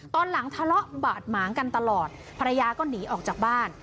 ตอนหลังทะเลาะบาดหมางกันตลอดภรรยาก็หนีออกจากบ้าน